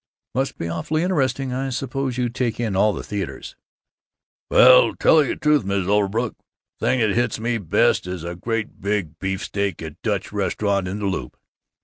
"It must be awfully interesting. I suppose you take in all the theaters." "Well, to tell the truth, Mrs. Overbrook, thing that hits me best is a great big beefsteak at a Dutch restaurant in the Loop!"